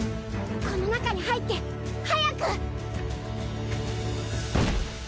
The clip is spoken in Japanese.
この中に入って早く！